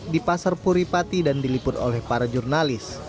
di pasar puripati dan diliput oleh para jurnalis